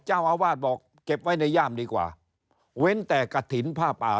เจ้าอาวาสบอกเก็บไว้ในย่ามดีกว่าเว้นแต่กระถิ่นผ้าป่า